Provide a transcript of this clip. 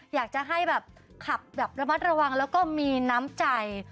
อยากจะให้แบบขับแบบระมัดระวังแล้วก็มีน้ำใจ